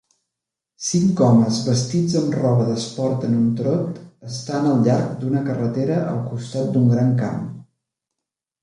Cinc homes vestits amb roba d'esport en un trot estan al llarg d'una carretera al costat d'un gran camp